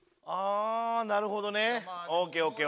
なるほどねＯＫＯＫ！